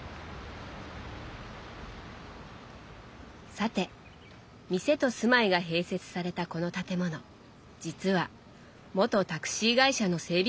さて店と住まいが併設されたこの建物実は元タクシー会社の整備